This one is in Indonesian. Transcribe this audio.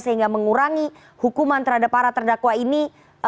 sehingga mengurangi hukuman terhadap para terdakwa ini